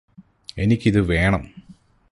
എനിക്കിത് വേണം